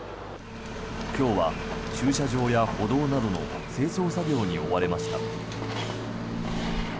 今日は、駐車場や歩道などの清掃作業に追われました。